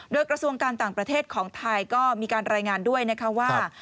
โดยกระทรวงการต่างประเทศของไทยก็มีการรายงานด้วยนะคะว่า